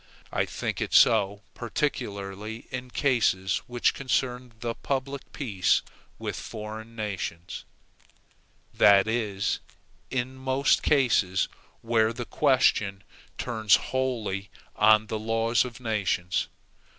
I think it so particularly in cases which concern the public peace with foreign nations that is, in most cases where the question turns wholly on the laws of nations.